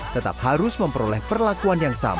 tetap harus memperoleh perlakuan yang sama